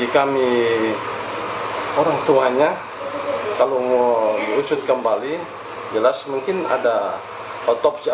kami sudah tidak siap anak kami diotopsi